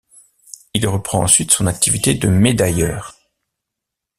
Il reprend ensuite son activité de médailleur.